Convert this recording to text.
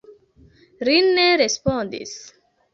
Li ne respondis.